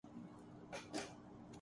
آئین ہند جمہوریہ بھارت کا دستور اعلیٰ ہے